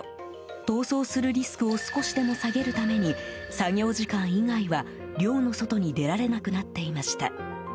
逃走するリスクを少しでも下げるために作業時間以外は、寮の外に出られなくなっていました。